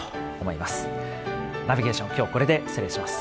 「ナビゲーション」今日はこれで失礼します